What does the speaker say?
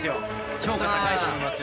評価高いと思いますよ。